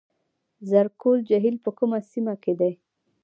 زرکول جهیل په کومه سیمه کې دی؟